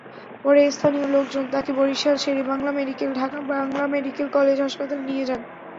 পরে স্থানীয় লোকজন তাঁকে বরিশাল শের-ই-বাংলা মেডিকেল কলেজ হাসপাতালে নিয়ে যান।